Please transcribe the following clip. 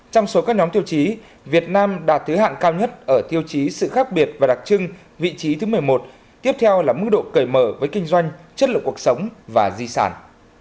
trong số các nhóm tiêu chí việt nam đạt thứ hạng cao nhất ở tiêu chí sự khác biệt và đặc trưng vị trí thứ một mươi một tiếp theo là mức độ cởi mở với kinh doanh chất lượng cuộc sống và di sản